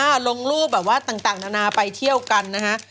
ลงรูปแบบว่าต่างนานาไปเที่ยวกันนะฮะ